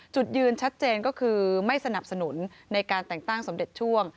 จุดยืนชัดเจนก็คือไม่สนับสนุนในการแต่งตั้งสมเด็จช่วง